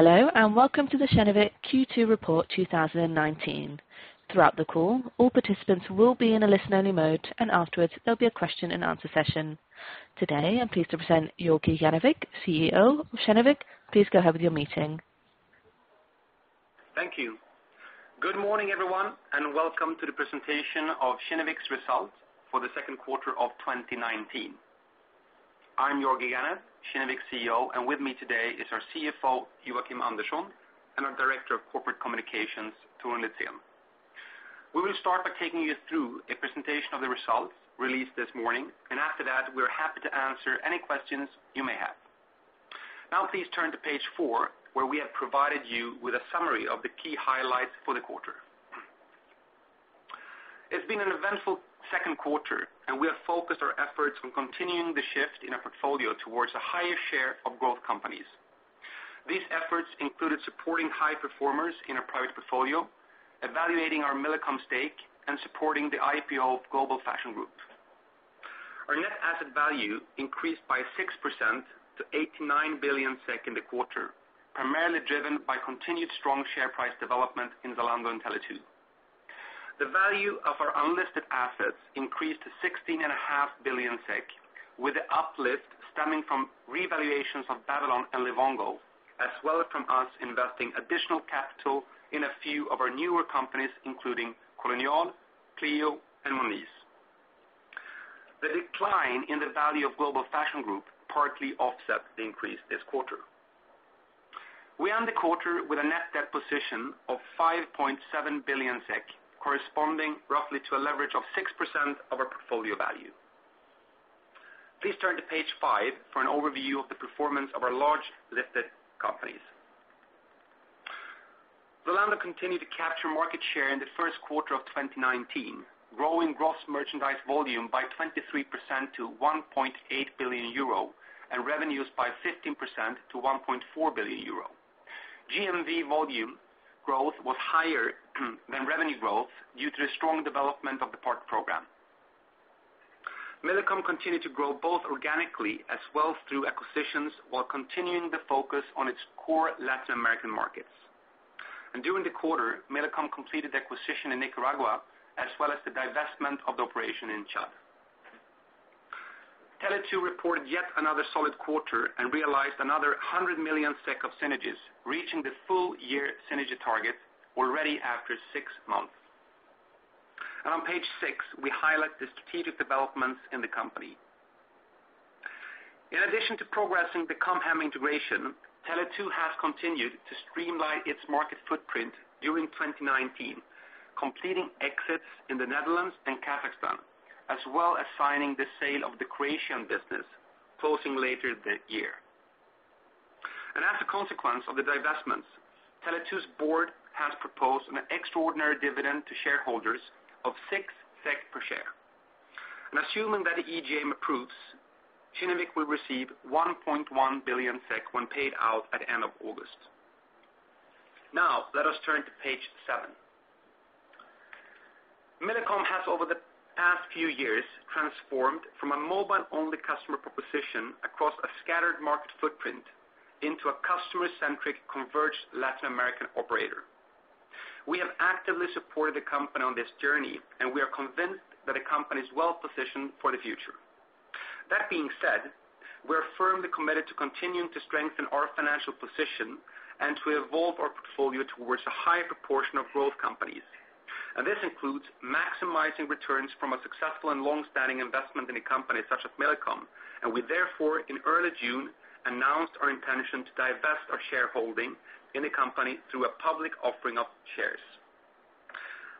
Welcome to the Kinnevik Q2 Report 2019. Throughout the call, all participants will be in a listen-only mode, and afterwards, there'll be a question and answer session. Today, I'm pleased to present Georgi Ganev, CEO of Kinnevik. Please go ahead with your meeting. Thank you. Good morning, everyone, welcome to the presentation of Kinnevik's results for the second quarter of 2019. I'm Joakim Genarlow, Kinnevik's CEO, and with me today is our CFO, Joakim Andersson, and our Director of Corporate Communications, Torun Litzén. We will start by taking you through a presentation of the results released this morning. After that, we're happy to answer any questions you may have. Now please turn to page four, where we have provided you with a summary of the key highlights for the quarter. It's been an eventful second quarter. We have focused our efforts on continuing the shift in our portfolio towards a higher share of growth companies. These efforts included supporting high performers in our private portfolio, evaluating our Millicom stake, and supporting the IPO of Global Fashion Group. Our net asset value increased by 6% to 89 billion SEK in the quarter, primarily driven by continued strong share price development in Zalando and Tele2. The value of our unlisted assets increased to 16.5 billion SEK, with the uplift stemming from revaluations of Babylon and Livongo, as well as from us investing additional capital in a few of our newer companies, including Kolonial, Pleo, and Monese. The decline in the value of Global Fashion Group partly offset the increase this quarter. We end the quarter with a net debt position of 5.7 billion SEK, corresponding roughly to a leverage of 6% of our portfolio value. Please turn to page five for an overview of the performance of our large listed companies. Zalando continued to capture market share in the first quarter of 2019, growing gross merchandise volume by 23% to €1.8 billion, and revenues by 15% to €1.4 billion. GMV volume growth was higher than revenue growth due to the strong development of the partner program. Millicom continued to grow both organically as well as through acquisitions while continuing to focus on its core Latin American markets. During the quarter, Millicom completed the acquisition in Nicaragua as well as the divestment of the operation in Chad. Tele2 reported yet another solid quarter and realized another 100 million SEK of synergies, reaching the full-year synergy target already after six months. On page six, we highlight the strategic developments in the company. In addition to progressing the Com Hem integration, Tele2 has continued to streamline its market footprint during 2019, completing exits in the Netherlands and Kazakhstan, as well as signing the sale of the Croatian business, closing later that year. As a consequence of the divestments, Tele2's board has proposed an extraordinary dividend to shareholders of six SEK per share. Assuming that the EGM approves, Kinnevik will receive 1.1 billion SEK when paid out at the end of August. Let us turn to page seven. Millicom has, over the past few years, transformed from a mobile-only customer proposition across a scattered market footprint into a customer-centric, converged Latin American operator. We have actively supported the company on this journey, and we are convinced that the company is well-positioned for the future. That being said, we're firmly committed to continuing to strengthen our financial position and to evolve our portfolio towards a higher proportion of growth companies. This includes maximizing returns from a successful and long-standing investment in a company such as Millicom, and we therefore, in early June, announced our intention to divest our shareholding in the company through a public offering of shares.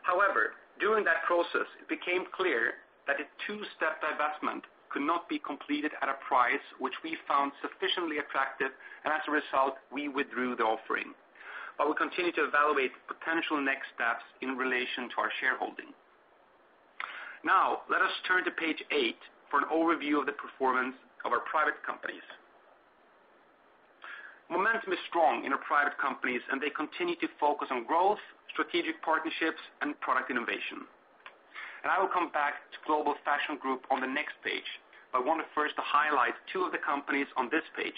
However, during that process, it became clear that a two-step divestment could not be completed at a price which we found sufficiently attractive, and as a result, we withdrew the offering. We'll continue to evaluate potential next steps in relation to our shareholding. Let us turn to page eight for an overview of the performance of our private companies. Momentum is strong in our private companies, and they continue to focus on growth, strategic partnerships, and product innovation. I will come back to Global Fashion Group on the next page, but I want first to highlight two of the companies on this page,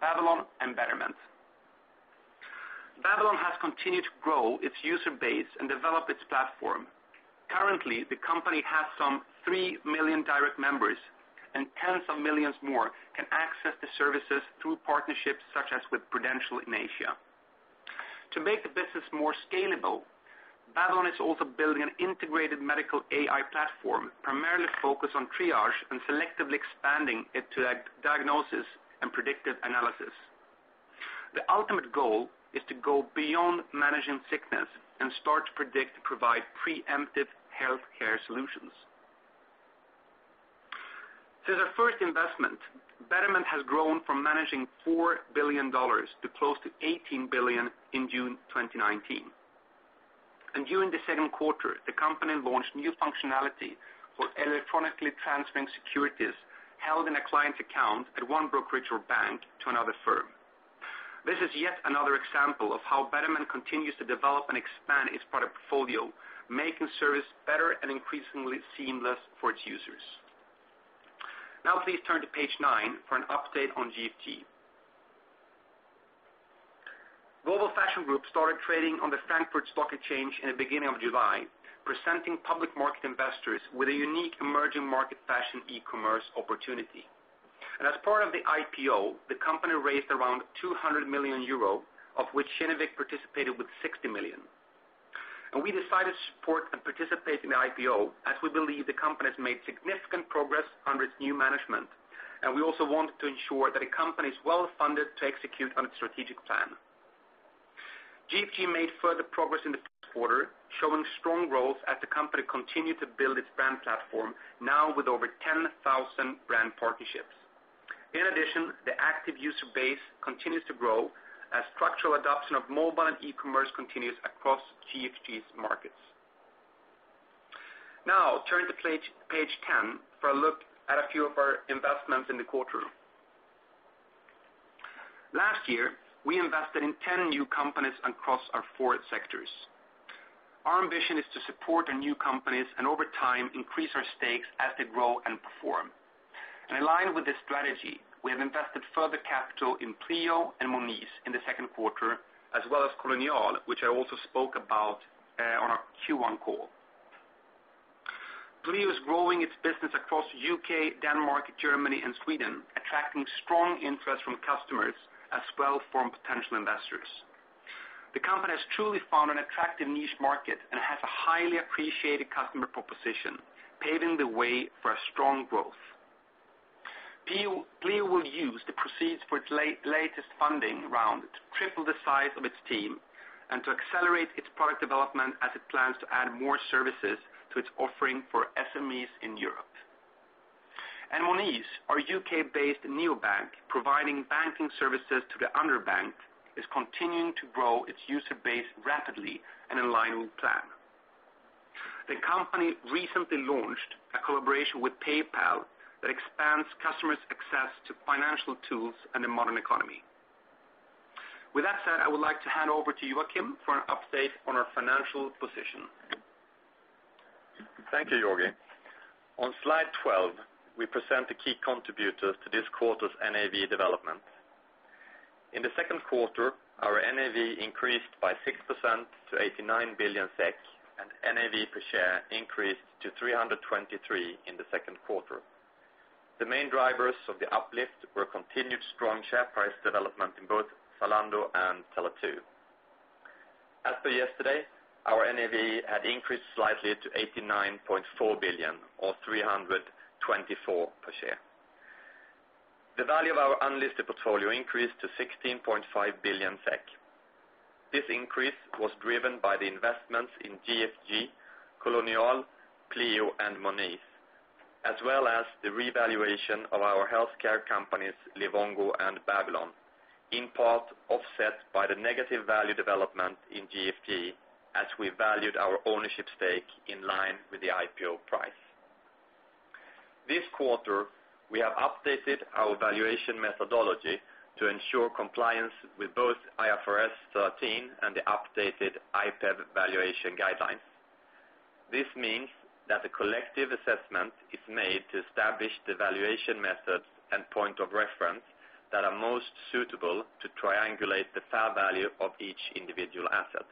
Babylon and Betterment. Babylon has continued to grow its user base and develop its platform. Currently, the company has some three million direct members, and tens of millions more can access the services through partnerships such as with Prudential in Asia. To make the business more scalable, Babylon is also building an integrated medical AI platform, primarily focused on triage and selectively expanding it to diagnosis and predictive analysis. The ultimate goal is to go beyond managing sickness and start to predict and provide preemptive healthcare solutions. Since our first investment, Betterment has grown from managing SEK 4 billion to close to 18 billion in June 2019. During the second quarter, the company launched new functionality for electronically transmitting securities held in a client account at one brokerage or bank to another firm. This is yet another example of how Betterment continues to develop and expand its product portfolio, making service better and increasingly seamless for its users. Now please turn to page nine for an update on GFG. Global Fashion Group started trading on the Frankfurt Stock Exchange in the beginning of July, presenting public market investors with a unique emerging market fashion e-commerce opportunity. As part of the IPO, the company raised around 200 million euro, of which Kinnevik participated with 60 million. We decided to support and participate in the IPO, as we believe the company has made significant progress under its new management, and we also wanted to ensure that the company is well-funded to execute on its strategic plan. GFG made further progress in the first quarter, showing strong growth as the company continued to build its brand platform, now with over 10,000 brand partnerships. In addition, the active user base continues to grow as structural adoption of mobile and e-commerce continues across GFG's markets. Now, turn to page 10 for a look at a few of our investments in the quarter. Last year, we invested in 10 new companies across our four sectors. Our ambition is to support our new companies, and over time, increase our stakes as they grow and perform. In line with this strategy, we have invested further capital in Pleo and Monese in the second quarter, as well as Kolonial, which I also spoke about on our Q1 call. Pleo is growing its business across UK, Denmark, Germany, and Sweden, attracting strong interest from customers, as well from potential investors. The company has truly found an attractive niche market and has a highly appreciated customer proposition, paving the way for a strong growth. Pleo will use the proceeds for its latest funding round to triple the size of its team and to accelerate its product development as it plans to add more services to its offering for SMEs in Europe. Monese, our UK-based neobank, providing banking services to the under-banked, is continuing to grow its user base rapidly and in line with plan. The company recently launched a collaboration with PayPal that expands customers' access to financial tools in the modern economy. With that said, I would like to hand over to you, Joakim, for an update on our financial position. Thank you, Georgi. On slide 12, we present the key contributors to this quarter's NAV development. In the second quarter, our NAV increased by 6% to 89 billion SEK, and NAV per share increased to 323 in the second quarter. The main drivers of the uplift were continued strong share price development in both Zalando and Tele2. As for yesterday, our NAV had increased slightly to 89.4 billion or 324 per share. The value of our unlisted portfolio increased to 16.5 billion SEK. This increase was driven by the investments in GFG, Kolonial, Pleo, and Monese, as well as the revaluation of our healthcare companies, Livongo and Babylon, in part offset by the negative value development in GFG as we valued our ownership stake in line with the IPO price. This quarter, we have updated our valuation methodology to ensure compliance with both IFRS 13 and the updated IPEV valuation guidelines. This means that a collective assessment is made to establish the valuation methods and point of reference that are most suitable to triangulate the fair value of each individual asset.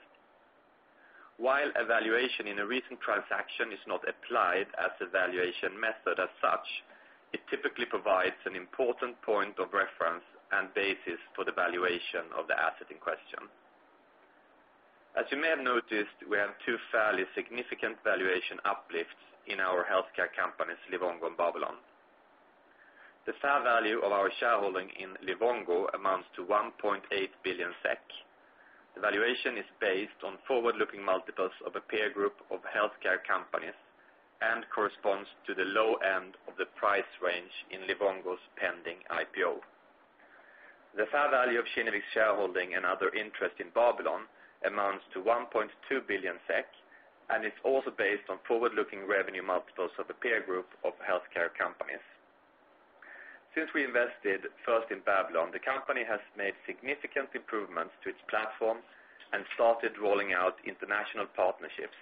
While a valuation in a recent transaction is not applied as a valuation method as such, it typically provides an important point of reference and basis for the valuation of the asset in question. As you may have noticed, we have two fairly significant valuation uplifts in our healthcare companies, Livongo and Babylon. The fair value of our shareholding in Livongo amounts to 1.8 billion SEK. The valuation is based on forward-looking multiples of a peer group of healthcare companies and corresponds to the low end of the price range in Livongo's pending IPO. The fair value of Kinnevik's shareholding and other interest in Babylon amounts to 1.2 billion SEK and is also based on forward-looking revenue multiples of a peer group of healthcare companies. Since we invested first in Babylon, the company has made significant improvements to its platforms and started rolling out international partnerships,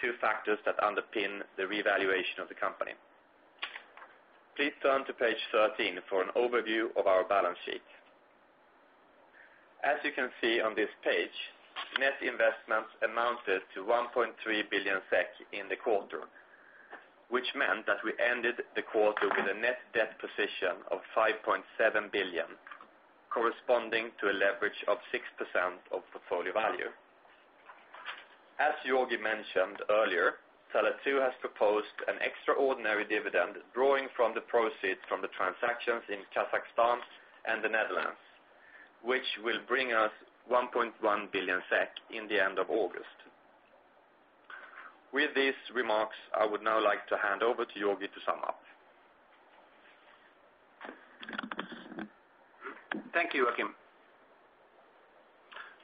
two factors that underpin the revaluation of the company. Please turn to page 13 for an overview of our balance sheet. As you can see on this page, net investments amounted to 1.3 billion SEK in the quarter, which meant that we ended the quarter with a net debt position of 5.7 billion, corresponding to a leverage of 6% of portfolio value. As Georgi mentioned earlier, Tele2 has proposed an extraordinary dividend drawing from the proceeds from the transactions in Kazakhstan and the Netherlands, which will bring us 1.1 billion SEK in the end of August. With these remarks, I would now like to hand over to Georgi to sum up. Thank you, Joakim.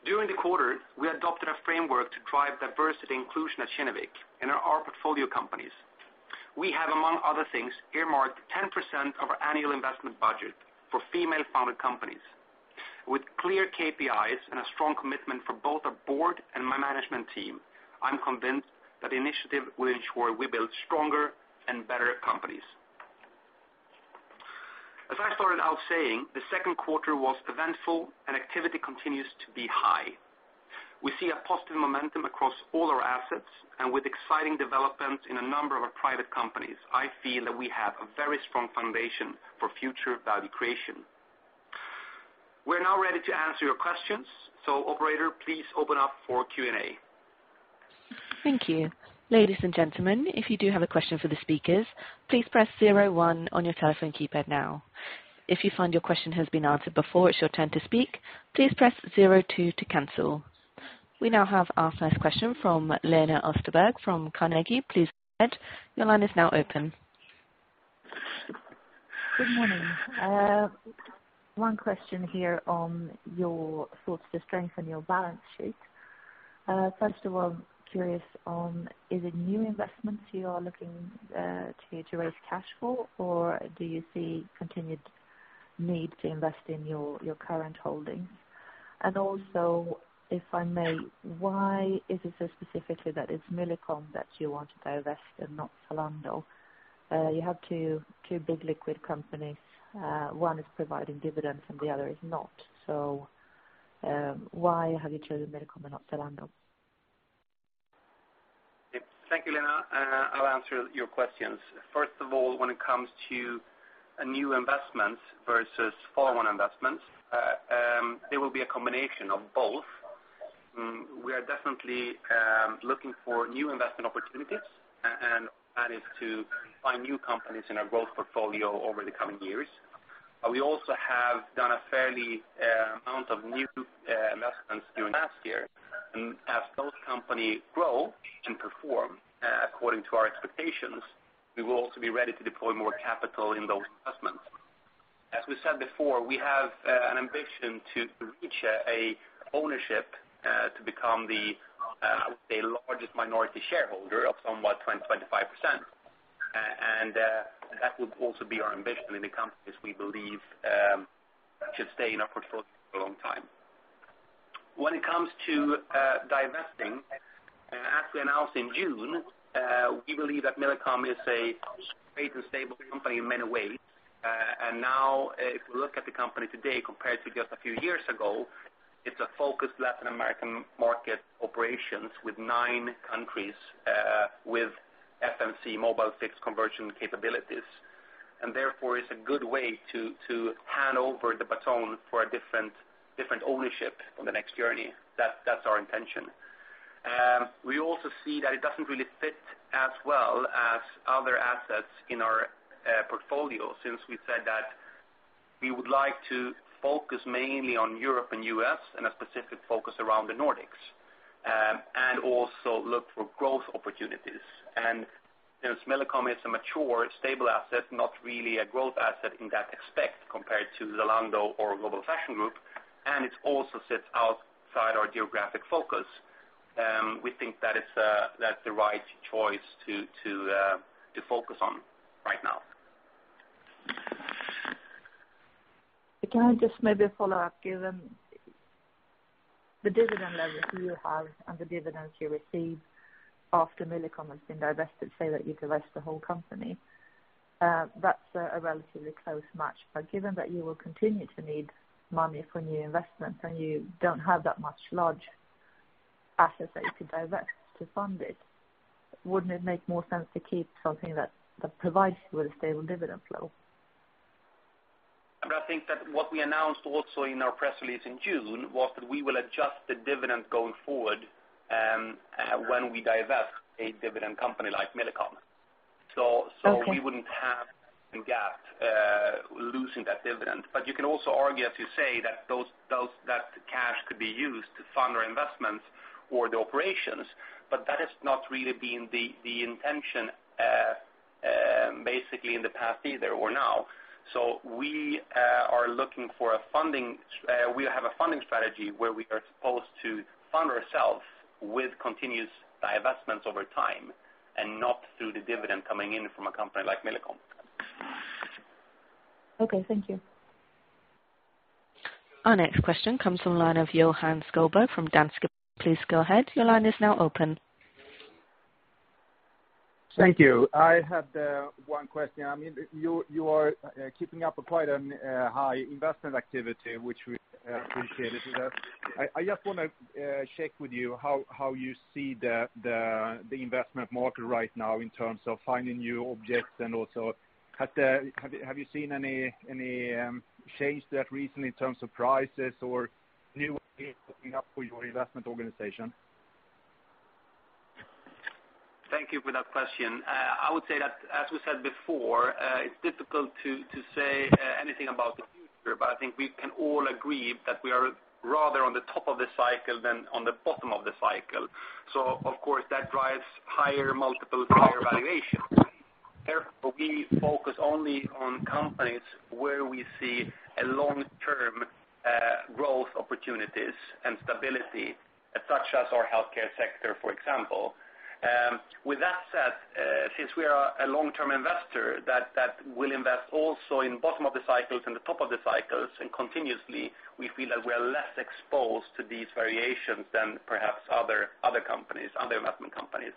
During the quarter, we adopted a framework to drive diversity and inclusion at Kinnevik and in our portfolio companies. We have, among other things, earmarked 10% of our annual investment budget for female-founded companies. With clear KPIs and a strong commitment from both our board and my management team, I'm convinced that the initiative will ensure we build stronger and better companies. As I started out saying, the second quarter was eventful and activity continues to be high. We see a positive momentum across all our assets and with exciting developments in a number of our private companies, I feel that we have a very strong foundation for future value creation. We're now ready to answer your questions. Operator, please open up for Q&A. Thank you. Ladies and gentlemen, if you do have a question for the speakers, please press zero one on your telephone keypad now. If you find your question has been answered before it's your turn to speak, please press zero two to cancel. We now have our first question from Lena Österberg from Carnegie. Please go ahead. Your line is now open. Good morning. One question here on your thoughts to strengthen your balance sheet. First of all, curious on, is it new investments you are looking to raise cash for, or do you see continued need to invest in your current holdings? If I may, why is it so specifically that it's Millicom that you want to divest and not Zalando? You have two big liquid companies. One is providing dividends and the other is not. Why have you chosen Millicom and not Zalando? Thank you, Lena. I'll answer your questions. First of all, when it comes to new investments versus foreign investments, there will be a combination of both. We are definitely looking for new investment opportunities and plan is to find new companies in our growth portfolio over the coming years. We also have done a fair amount of new investments during the past year. As those companies grow and perform according to our expectations, we will also be ready to deploy more capital in those investments. As we said before, we have an ambition to reach ownership to become the largest minority shareholder of somewhat 20%-25%. That would also be our ambition in the companies we believe should stay in our portfolio for a long time. When it comes to divesting, as we announced in June, we believe that Millicom is a great and stable company in many ways. If you look at the company today compared to just a few years ago, it's a focused Latin American market operations with nine countries, with FMC mobile fixed conversion capabilities. Therefore, it's a good way to hand over the baton for a different ownership on the next journey. That's our intention. We also see that it doesn't really fit as well as other assets in our portfolio, since we've said that we would like to focus mainly on Europe and U.S., and a specific focus around the Nordics. Also look for growth opportunities. Since Millicom is a mature, stable asset, not really a growth asset in that aspect compared to Zalando or Global Fashion Group, and it also sits outside our geographic focus, we think that's the right choice to focus on right now. Can I just maybe follow up, given the dividend levels you have and the dividends you receive after Millicom has been divested, say that you divest the whole company. That's a relatively close match. Given that you will continue to need money for new investments and you don't have that much large assets that you could divest to fund it, wouldn't it make more sense to keep something that provides you with a stable dividend flow? I think that what we announced also in our press release in June was that we will adjust the dividend going forward, when we divest a dividend company like Millicom. Okay. We wouldn't have, in that, losing that dividend. You can also argue, as you say, that cash could be used to fund our investments or the operations, but that has not really been the intention, basically in the past either or now. We have a funding strategy where we are supposed to fund ourselves with continuous divestments over time and not through the dividend coming in from a company like Millicom. Okay. Thank you. Our next question comes from the line of Johan Sjöberg from Danske Bank. Please go ahead. Your line is now open. Thank you. I had one question. You are keeping up quite a high investment activity, which we appreciated. I just want to check with you how you see the investment market right now in terms of finding new objects and also have you seen any change there recently in terms of prices or new ways opening up for your investment organization? Thank you for that question. I would say that as we said before, it's difficult to say anything about the future, but I think we can all agree that we are rather on the top of the cycle than on the bottom of the cycle. Of course, that drives higher multiples, higher valuations. Therefore, we focus only on companies where we see a long-term Growth opportunities and stability such as our healthcare sector, for example. With that said, since we are a long-term investor that will invest also in bottom of the cycles and the top of the cycles and continuously, we feel like we are less exposed to these variations than perhaps other investment companies.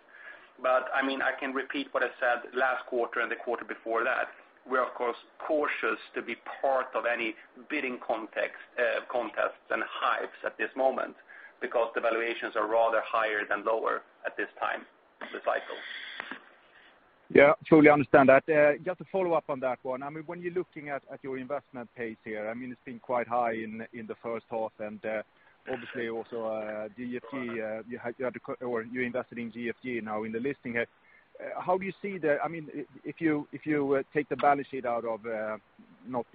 I can repeat what I said last quarter and the quarter before that, we are, of course, cautious to be part of any bidding contests and highs at this moment because the valuations are rather higher than lower at this time in the cycle. Yeah. Truly understand that. Just to follow up on that one. When you're looking at your investment pace here, it's been quite high in the first half and obviously also GFG, you invested in GFG now in the listing. If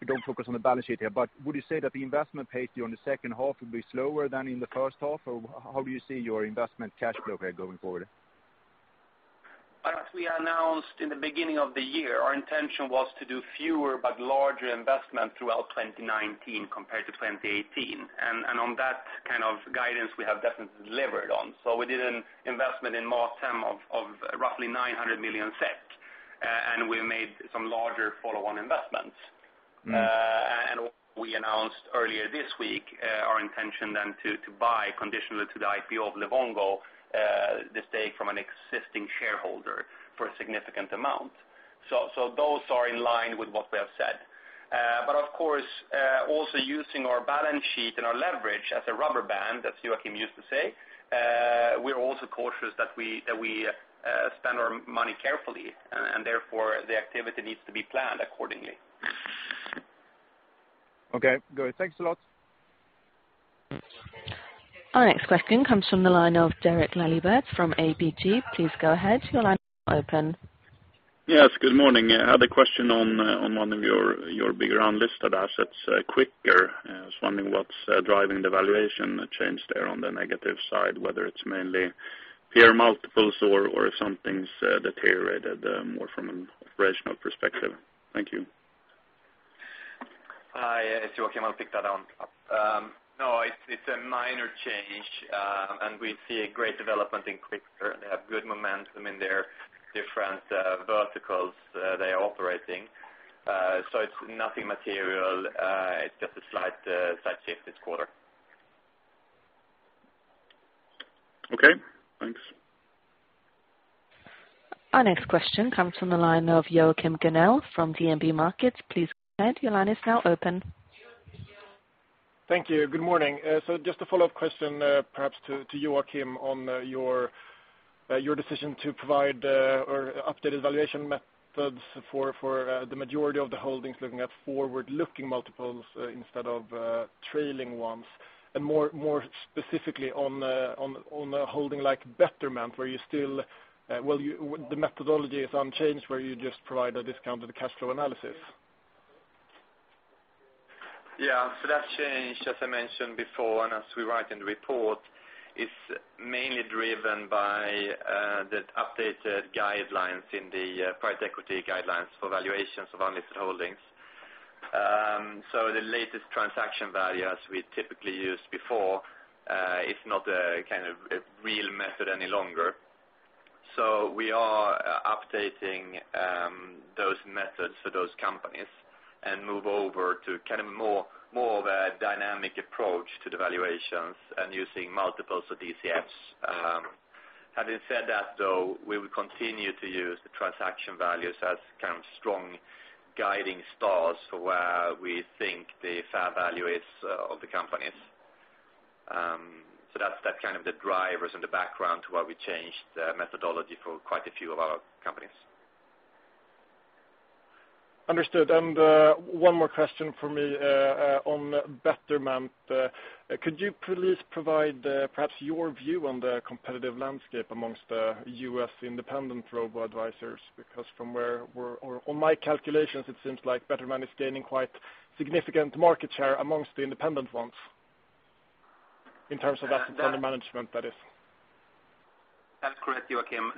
you don't focus on the balance sheet here, but would you say that the investment pace on the second half will be slower than in the first half, or how do you see your investment cash flow here going forward? As we announced in the beginning of the year, our intention was to do fewer but larger investment throughout 2019 compared to 2018. On that kind of guidance, we have definitely delivered on. We did an investment in MatHem of roughly 900 million SEK, and we made some larger follow-on investments. We announced earlier this week our intention then to buy conditionally to the IPO of Livongo, the stake from an existing shareholder for a significant amount. Those are in line with what we have said. Of course, also using our balance sheet and our leverage as a rubber band, as Joakim used to say, we're also cautious that we spend our money carefully and therefore the activity needs to be planned accordingly. Okay, good. Thanks a lot. Our next question comes from the line of Derek Laliberté from ABG. Please go ahead. Your line is now open. Yes, good morning. I had a question on one of your bigger unlisted assets, Quikr. I was wondering what's driving the valuation change there on the negative side, whether it's mainly peer multiples or if something's deteriorated more from an operational perspective. Thank you. Hi. It's Joakim, I'll pick that on up. No, it's a minor change, and we see a great development in Quikr. They have good momentum in their different verticals they are operating. So it's nothing material, it's just a slight shift this quarter. Okay, thanks. Our next question comes from the line of Joachim Gunell from DNB Markets. Please go ahead. Your line is now open. Thank you. Good morning. Just a follow-up question perhaps to Joakim on your decision to provide or update valuation methods for the majority of the holdings, looking at forward-looking multiples instead of trailing ones. More specifically on a holding like Betterment, the methodology is unchanged where you just provide a discounted cash flow analysis. Yeah. That change, as I mentioned before, and as we write in the report, is mainly driven by the updated guidelines in the private equity guidelines for valuations of unlisted holdings. The latest transaction value as we typically used before, is not a real method any longer. We are updating those methods for those companies and move over to more of a dynamic approach to the valuations and using multiples of DCFs. Having said that though, we will continue to use the transaction values as strong guiding stars for where we think the fair value is of the companies. That's the drivers and the background to why we changed the methodology for quite a few of our companies. Understood. One more question from me on Betterment. Could you please provide perhaps your view on the competitive landscape amongst U.S. independent robo-advisors? On my calculations, it seems like Betterment is gaining quite significant market share amongst the independent ones in terms of assets under management, that is. That's correct, Joakim.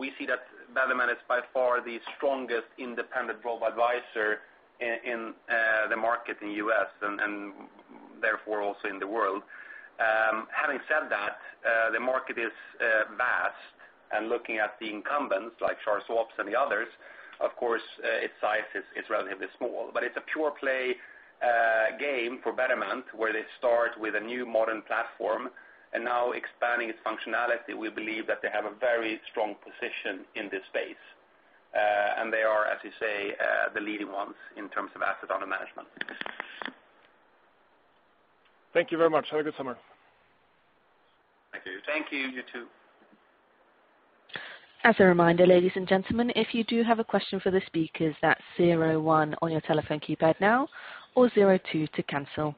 We see that Betterment is by far the strongest independent robo-advisor in the market in U.S. and therefore also in the world. Having said that, the market is vast, and looking at the incumbents like Charles Schwab and the others, of course, its size is relatively small. It's a pure play game for Betterment, where they start with a new modern platform, and now expanding its functionality. We believe that they have a very strong position in this space. They are, as you say, the leading ones in terms of asset under management. Thank you very much. Have a good summer. Thank you. Thank you. You too. As a reminder, ladies and gentlemen, if you do have a question for the speakers, that's 01 on your telephone keypad now, or 02 to cancel.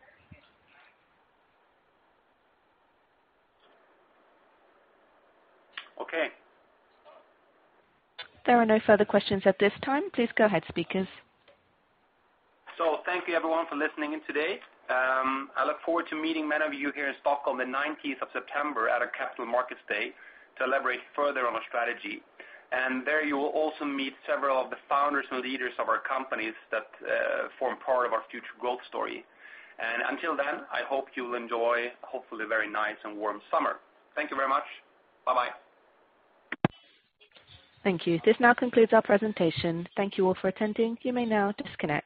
Okay. There are no further questions at this time. Please go ahead, speakers. Thank you everyone for listening in today. I look forward to meeting many of you here in Stockholm the 19th of September at our Capital Markets Day to elaborate further on our strategy. There you will also meet several of the founders and leaders of our companies that form part of our future growth story. Until then, I hope you'll enjoy a hopefully very nice and warm summer. Thank you very much. Bye-bye. Thank you. This now concludes our presentation. Thank you all for attending. You may now disconnect.